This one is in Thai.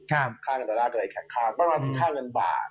ค่าเงินตาราคืออีกแข่งข้างประมาณถึงค่าเงินบาท